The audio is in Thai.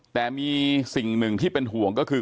แต่มีสิ่งหนึ่งที่เป็นห่วงก็คือ